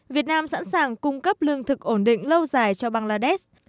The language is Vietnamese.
việt nam sẵn sàng cung cấp lương thực ổn định lâu dài cho bangladesh